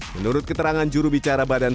menurut keterangan jurubicara badan